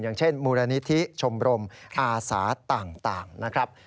อย่างเช่นมูลนิธิชมรมอาสาต่างนะครับ